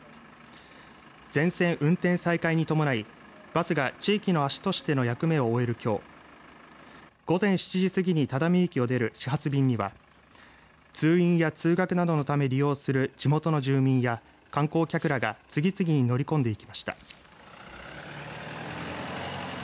全線運転再開に伴い、バスが地域の足としての役目を終える、きょう午前７時過ぎに只見駅を出る始発便には通院や通学などのため利用する地元の住民や観光客らが次々に乗り込んでいきました。